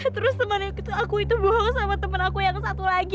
terus temennya aku itu bohong sama temen aku yang satu lagi